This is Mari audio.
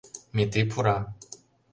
Метри пура.